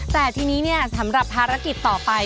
แต่ทีนี้สำหรับภารกิจต่อไป